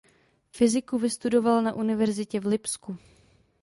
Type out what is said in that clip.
Fyziku vystudoval na univerzitě v Lipsku.